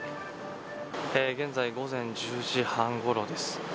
現在、午前１０時半ごろです。